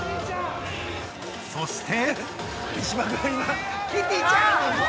◆そして。